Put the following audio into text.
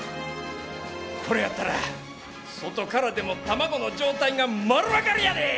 これやったら外からでも卵の状態が丸分かりやで！